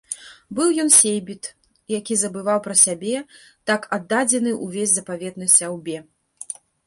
Быў ён сейбіт, які забываў пра сябе, так аддадзены ўвесь запаветнай сяўбе!